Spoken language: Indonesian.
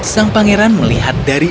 sang pangeran melihat dari